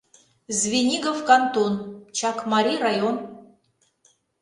Звенигов кантон, Чакмари район.